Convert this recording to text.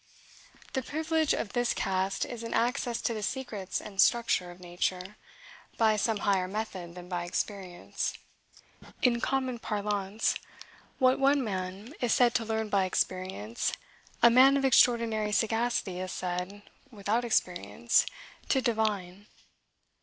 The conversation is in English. The privilege of this caste is an access to the secrets and structure of nature, by some higher method than by experience. In common parlance, what one man is said to learn by experience, a man of extraordinary sagacity is said, without experience, to divine.